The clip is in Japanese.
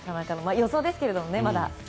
予想ですけどね、まだ。